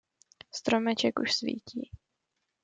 Stromeček už svítí.